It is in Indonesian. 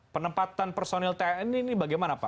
penempatan personil tni ini bagaimana pak